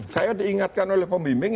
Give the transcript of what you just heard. saya diingatkan oleh pembimbing